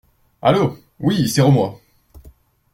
Allô !… oui, c’est re-moi.